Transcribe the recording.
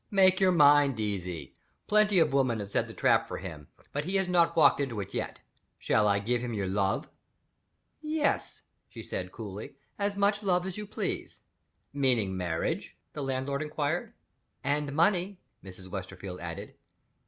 Make your mind easy. Plenty of women have set the trap for him, but he has not walked into it yet. Shall I give him your love?" "Yes," she said, coolly. "As much love as you please." "Meaning marriage?" the landlord inquired. "And money," Mrs. Westerfield added.